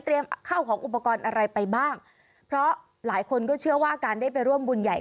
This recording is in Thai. ข้าวของอุปกรณ์อะไรไปบ้างเพราะหลายคนก็เชื่อว่าการได้ไปร่วมบุญใหญ่